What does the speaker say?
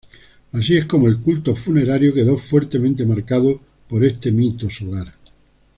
Así es como el culto funerario quedó fuertemente marcado por este mito solar.